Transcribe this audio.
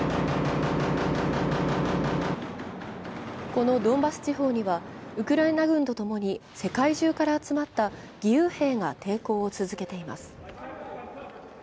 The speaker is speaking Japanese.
このドンバス地方にはウクライナ軍と共に世界中から集まった義勇兵が抵抗を続けています。